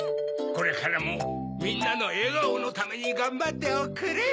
これからもみんなのえがおのためにがんばっておくれ。